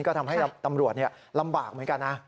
ก็ทำให้ตำรวจลำบากเหมือนกันนะ